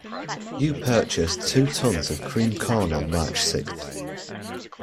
You purchased two tons of creamed corn on March sixth.